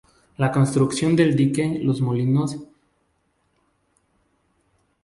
Algunas armas se cree que han sido liberadas de Etiopía y Yemen.